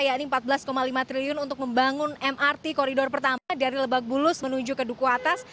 yakni rp empat belas lima triliun untuk membangun mrt koridor pertama dari lebak bulus menuju ke duku atas